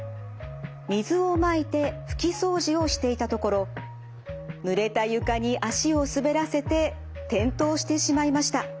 水をまいて拭き掃除をしていたところぬれた床に足を滑らせて転倒してしまいました。